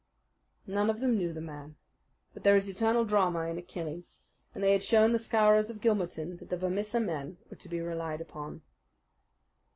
None of them knew the man; but there is eternal drama in a killing, and they had shown the Scowrers of Gilmerton that the Vermissa men were to be relied upon.